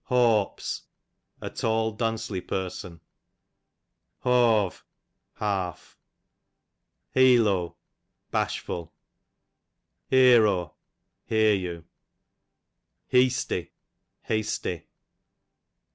Hawps, a tall duncely person. Hawve, half. Healo, bashful. Hearo, hear you. Heasty, hasty.